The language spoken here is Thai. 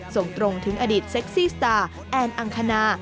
ส่งตรงถึงอดีตเซ็กซี่สตาร์แอนอังคณา